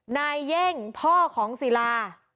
เย่งพ่อของศิลา